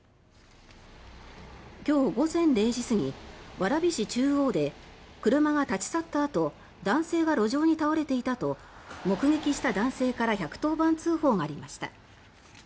今日午前０時過ぎ、蕨市中央で車が立ち去ったあと男性が路上に倒れていたと目撃した男性から１１０番通報がありました。